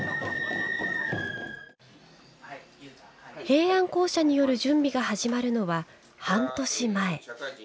平安講社による準備が始まるのは半年前。